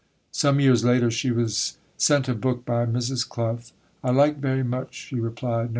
Some years later she was sent a book by Mrs. Clough. "I like very much," she replied (Nov.